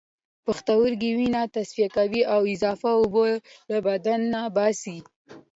پښتورګي وینه تصفیه کوي او اضافی اوبه له بدن باسي